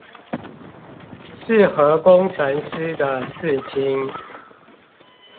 適合工程師的刺青